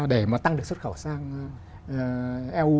để mà tăng được xuất khẩu sang eu